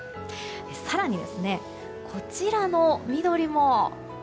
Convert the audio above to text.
更に、こちらの緑も。